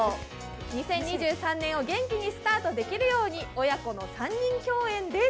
２０２３年を元気にスタートできるように親子の３人共演です。